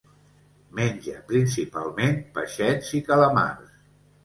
Menja principalment peixets i calamars.